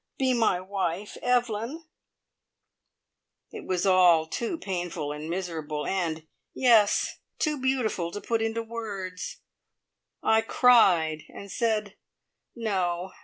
Be my wife, Evelyn!" It was all too painful and miserable, and yes, too beautiful to put into words. I cried, and said, No!